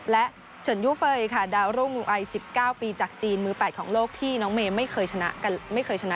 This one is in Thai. และเฉินยูเฟย์ค่ะดารุงไกล๑๙ปีจากจีนมือ๘ของโลกที่น้องเมย์ไม่เคยชนะ